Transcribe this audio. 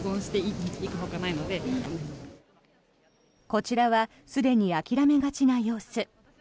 こちらはすでに諦めがちな様子。